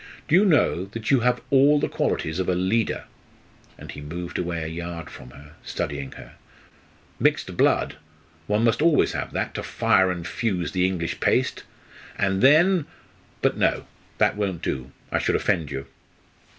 Do you know that you have all the qualities of a leader!" and he moved away a yard from her, studying her "mixed blood one must always have that to fire and fuse the English paste and then but no! that won't do I should offend you."